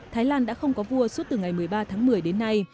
thái lan đã không có vua suốt từ ngày một mươi ba tháng một mươi đến nay